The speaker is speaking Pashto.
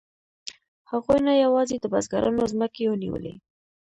هغوی نه یوازې د بزګرانو ځمکې ونیولې